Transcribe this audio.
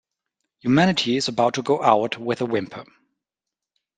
Humanity is about to go out with a whimper.